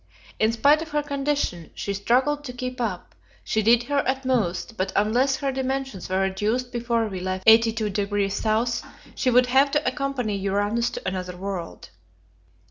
In spite of her condition, she struggled to keep up; she did her utmost, but unless her dimensions were reduced before we left 82° S., she would have to accompany Uranus to another world.